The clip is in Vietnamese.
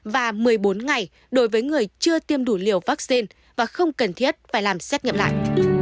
và một mươi bốn ngày đối với người chưa tiêm đủ liều vaccine và không cần thiết phải làm xét nghiệm lại